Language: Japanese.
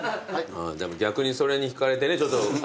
でも逆にそれに引かれてね頼む人もね。